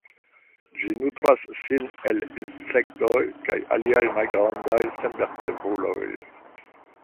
Ĝi nutras sin el insektoj kaj aliaj malgrandaj senvertebruloj.